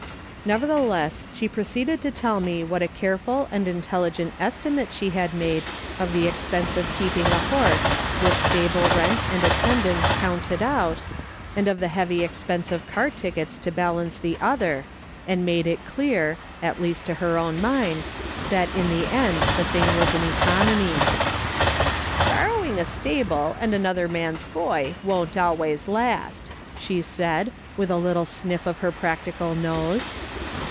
Nevertheless, she proceeded to tell me what a careful and intelligent estimate she had made of the expense of keeping a horse, with stable rent, MEDITATIONS THAT MEANT SOMETHING. 211 and attendance, counted out, and of the heavy expense of car tickets to balance the other, and made it clear, at least to her own mind, that in the end the thing was an economy. " Borrowing a stable and another man's boy won't always last," she said, with a little sniff of her practi cal nose.